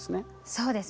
そうです。